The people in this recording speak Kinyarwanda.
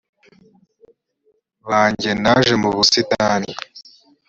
wanjye naje mu busitani